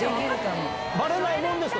バレないもんですか？